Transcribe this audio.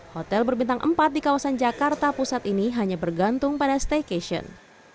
hotel berbintang empat di kawasan jakarta pusat ini hanya bergantung pada staycation